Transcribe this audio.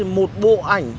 một bộ ảnh